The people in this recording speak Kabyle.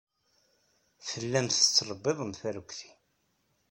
Tellamt tettlebbiḍemt arekti.